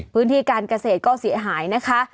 พื้นที่การเกษตรก็เสียหายนะคะ